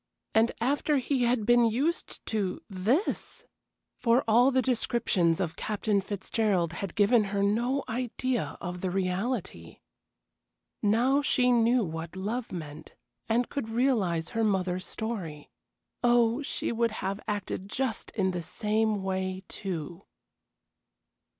And after he had been used to this! For all the descriptions of Captain Fitzgerald had given her no idea of the reality. Now she knew what love meant, and could realize her mother's story. Oh, she would have acted just in the same way, too.